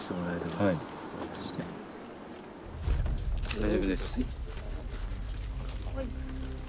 大丈夫です。